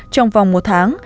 trong vòng một tháng